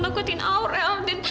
nakutin aurel dan